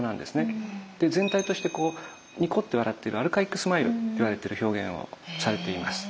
で全体としてこうニコッて笑ってるアルカイックスマイルって言われてる表現をされています。